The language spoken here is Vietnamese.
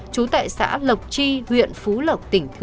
chú tại xã lộc chi huyện phú lộc tỉnh